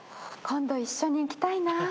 今度一緒に行きたいな。